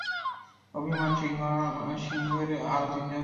অভিমান সিংহের আরো তিনজন সহোদর ছিল।